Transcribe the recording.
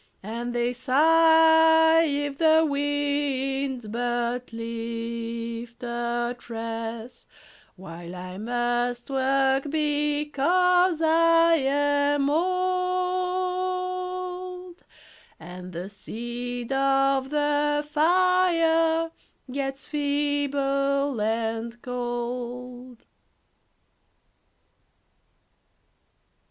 And they sigh if the wind but lift a tress: While I must work because I am old, And the seed of the fire gets feeble and cold.